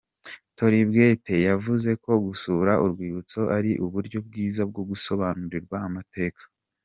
Tolly Mbwette, yavuze ko gusura urwibutso ari uburyo bwiza bwo gusobanukirwa amateka.